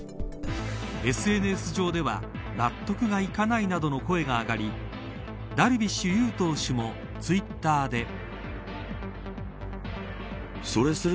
ＳＮＳ上では納得がいかないなどの声が上がりダルビッシュ有投手もツイッターで。